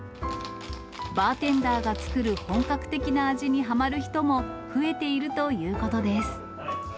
バーテンダーが作る本格的な味にはまる人も増えているということです。